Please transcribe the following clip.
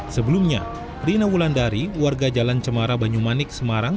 sebelumnya rina wulandari warga jalan cemara banyumanik semarang